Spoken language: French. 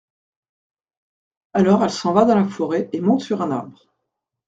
Alors elle s'en va dans la forêt et monte sur un arbre.